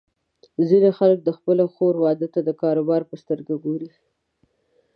ځینې خلک د خپلې خور واده ته د کاروبار په سترګه ګوري.